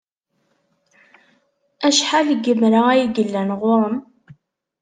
Acḥal n yemra ay yellan ɣur-m?